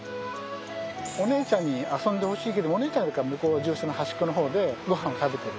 お姉ちゃんに遊んでほしいけどお姉ちゃんは獣舎の端っこの方でごはんを食べている。